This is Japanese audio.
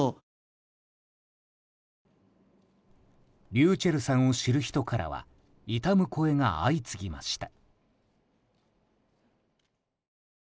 ｒｙｕｃｈｅｌｌさんを知る人からは悼む声が相次ぎました。